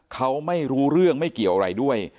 เขาไม่รู้เรื่องไม่เกี่ยวอะไรด้วย